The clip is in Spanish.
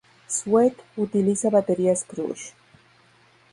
Sweet utiliza baterías "Crush".